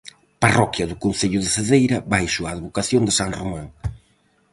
Parroquia do concello de Cedeira baixo a advocación de san Román.